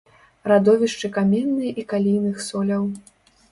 Радовішчы каменнай і калійных соляў.